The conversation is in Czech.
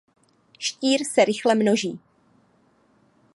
Štír se rychle množí.